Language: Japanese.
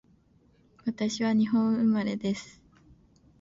私は日本生まれです